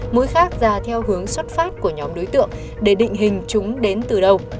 mũi khác ra theo hướng xuất phát của nhóm đối tượng để định hình chúng đến từ đâu